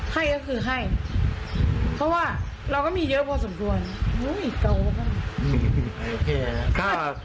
ให้ก็คือให้เพราะว่าเราก็มีเยอะพอสมควร